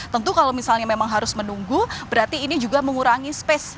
tentu kalau misalnya memang harus menunggu berarti ini juga mengurangi space